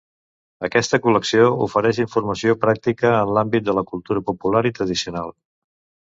Aquesta col·lecció ofereix informació pràctica en l'àmbit de la cultura popular i tradicional.